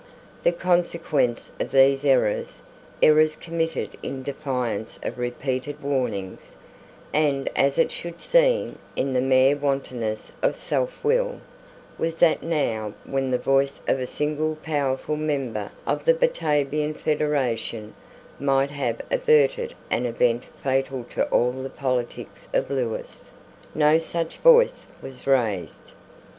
The consequence of these errors, errors committed in defiance of repeated warnings, and, as it should seem, in the mere wantonness of selfwill, was that now, when the voice of a single powerful member of the Batavian federation might have averted an event fatal to all the politics of Lewis, no such voice was raised.